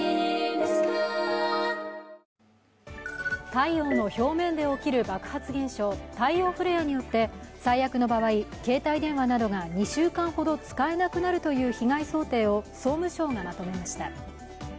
太陽の表面で起きる爆発現象、太陽フレアによって最悪の場合、携帯電話などが２週間ほど使えなくなるという被害想定を総務省がまとめました。